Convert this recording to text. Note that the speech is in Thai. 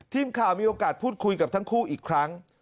ทีมข่าวมีโอกาสพูดคุยกับทั้งคู่อีกครั้ง